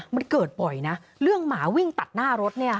มันเกิดบ่อยนะเรื่องหมาวิ่งตัดหน้ารถเนี่ย